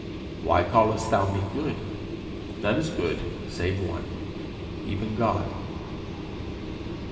'Why callest thou me good? None is good save one, even God.'